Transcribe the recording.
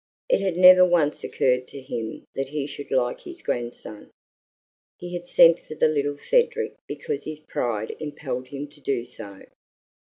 It had never once occurred to him that he should like his grandson; he had sent for the little Cedric because his pride impelled him to do so.